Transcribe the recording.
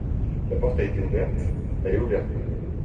La porte a été ouverte, elle est ouverte maintenant.